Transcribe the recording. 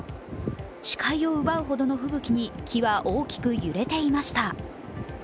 視界を奪うほどの吹雪に木は大きく揺れていました。